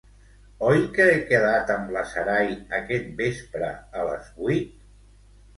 Oi que he quedat amb la Sarai aquest vespre a les vuit?